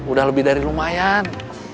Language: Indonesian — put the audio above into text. udah lebih dari lumayan